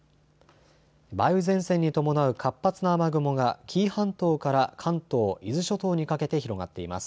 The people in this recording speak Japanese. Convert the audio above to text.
梅雨前線に伴う活発な雨雲が紀伊半島から関東、伊豆諸島にかけて広がっています。